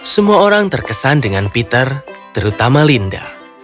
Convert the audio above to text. semua orang terkesan dengan peter terutama linda